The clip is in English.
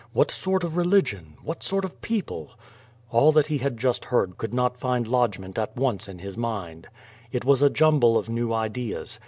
What sort of religion, what sort of people ?'' All that he had just heard could not find lodgment at once in his mind. It was a jumble of new ideas.